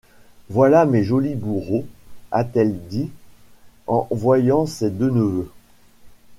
Voilà mes jolis bourreaux, a-t-elle dit en voyant ses deux neveux.